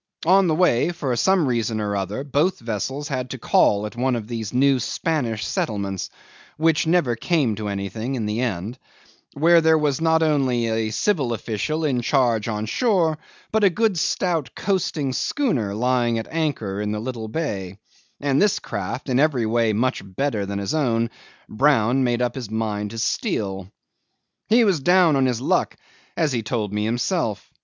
On the way, for some reason or other, both vessels had to call at one of these new Spanish settlements which never came to anything in the end where there was not only a civil official in charge on shore, but a good stout coasting schooner lying at anchor in the little bay; and this craft, in every way much better than his own, Brown made up his mind to steal. 'He was down on his luck as he told me himself.